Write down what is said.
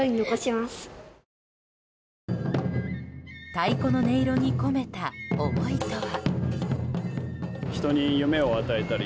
太鼓の音色に込めた思いとは。